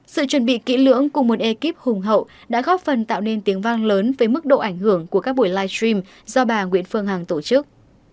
sự chuẩn bị kỹ lưỡng cùng một ekip hùng hậu đã góp phần tạo nên tiếng vang lớn với mức độ ảnh hưởng của các buổi live stream do bà nguyễn phương hằng tổ chức